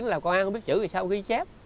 làm công an không biết chữ thì sao ghi chép